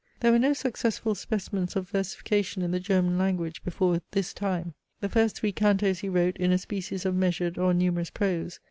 There were no successful specimens of versification in the German language before this time. The first three cantos he wrote in a species of measured or numerous prose.